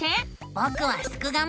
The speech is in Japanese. ぼくはすくがミ！